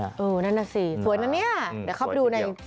เออนั่นสิสวยนั่นเนี่ยสวยที่เดียว